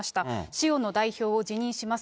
シオの代表を辞任します。